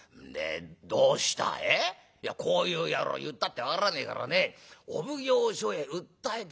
いやこういう野郎言ったって分からねえからねお奉行所へ訴えて出るってんですよ。